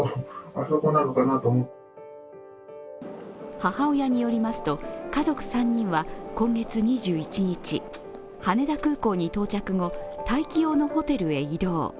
母親によりますと、家族３人は今月２１日、羽田空港に到着後、待機用のホテルへ移動。